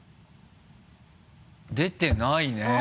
出てないね。